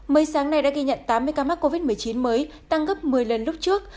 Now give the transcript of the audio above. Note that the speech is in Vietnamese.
mới sáng nay đã ghi nhận tám mươi ca mắc covid một mươi chín mới tăng gấp một mươi lần lúc trước